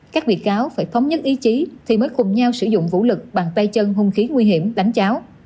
các bị cáo phải thống nhất ý chí thì mới cùng nhau sử dụng vũ lực bằng tay chân hung khí nguy hiểm đánh cháo